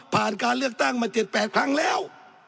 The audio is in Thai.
ผ่านการเลือกตั้งมาเจ็ดแปดครั้งแล้ว